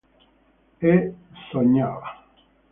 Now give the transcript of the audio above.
E sognava.